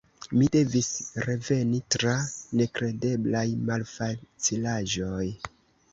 Mi devis reveni, tra nekredeblaj malfacilaĵoj.